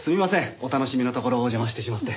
お楽しみのところお邪魔してしまって。